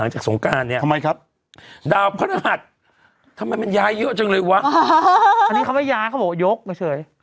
อันนี้เขาว่าย้ายเธอบอกว่ายกเป็นเฉย